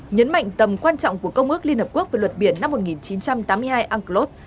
nhấn mạnh tầm quan trọng của công ước liên hợp quốc về luật biển năm một nghìn chín trăm tám mươi hai unclos